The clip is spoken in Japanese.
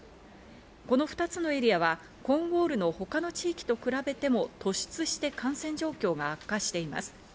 この２つのエリアはコーンウォールの他の地域と比べても、突出して感染状況が悪化しています。